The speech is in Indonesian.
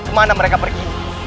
kemana mereka pergi